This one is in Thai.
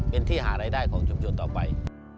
เป็นที่หารายได้ของชุมชนต่อไป